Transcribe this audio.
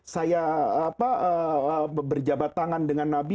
saya berjabat tangan dengan nabi